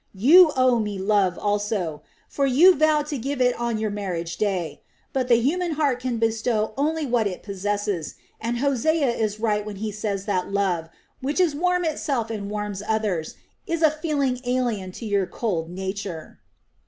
You owe me love also; for you vowed to give it on your marriage day; but the human heart can bestow only what it possesses, and Hosea is right when he says that love, which is warm itself and warms others, is a feeling alien to your cold nature."